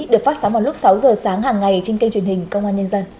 được phát sóng vào lúc sáu giờ sáng hàng ngày trên kênh truyền hình công an nhân dân